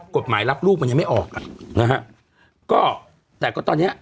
กฎหมายรับลูกมันยังไม่ออกอ่ะนะฮะก็แต่ก็ตอนเนี้ย